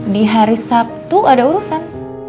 di hari sabtu ada urusan